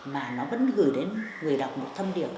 mà nó vẫn gửi đến người đọc một thông điệp